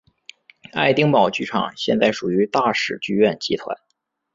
爱丁堡剧场现在属于大使剧院集团。